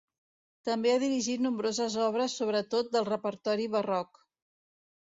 També ha dirigit nombroses obres, sobretot del repertori barroc.